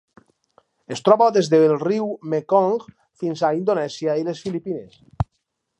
Es troba des del riu Mekong fins a Indonèsia i les Filipines.